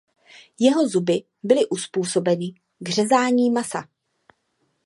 Jeho zuby byly uzpůsobeny k řezání masa.